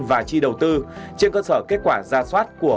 và chi đầu tư trên cơ sở kết quả ra soát của